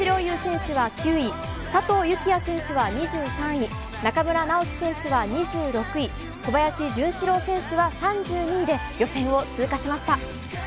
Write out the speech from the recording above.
小林陵侑選手は９位、佐藤幸椰選手は２３位、中村直幹選手が２６位、小林潤志郎選手は３２位で予選を通過しました。